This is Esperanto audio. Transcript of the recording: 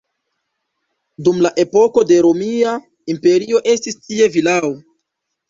Dum la epoko de Romia Imperio estis tie vilao.